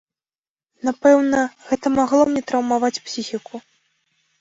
Напэўна, гэта магло мне траўмаваць псіхіку.